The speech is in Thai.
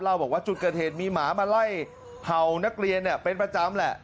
บอกว่าจุดเกิดเหตุมีหมามาไล่เห่านักเรียนเป็นประจำแหละ